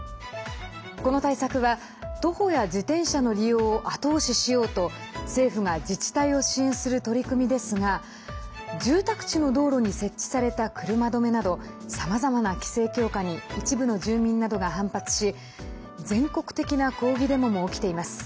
この対策は徒歩や自転車の利用を後押ししようと政府が自治体を支援する取り組みですが住宅地の道路に設置された車止めなどさまざまな規制強化に一部の住民などが反発し全国的な抗議デモも起きています。